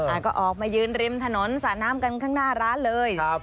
อ่าก็ออกมายืนริมถนนสระน้ำกันข้างหน้าร้านเลยครับ